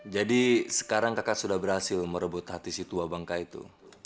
jadi sekarang kakak sudah berhasil merebut hati si tua bangka itu